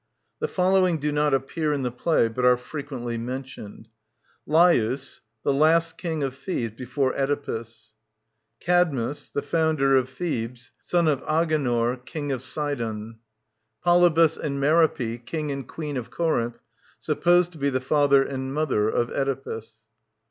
The following do not appear in the play but are frequently mentioned :— Laios (pronounced as three syllables, Ld i us), the last King of Thebes before Oedipus. ^ Cadmus, the founder of Thebes ; son of Aghior, KingofSidon. POLYBUS AND MEROPfi, King and Queen of Corinth, supposed to be the father and mother of Oedipus.